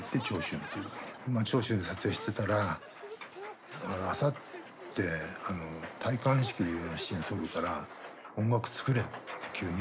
長春で撮影してたら「あさって戴冠式のシーン撮るから音楽作れ」って急に言うんです。